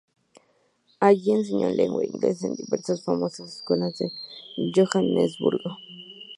Allí enseñó lengua inglesa en diversas famosas escuelas de Johannesburgo.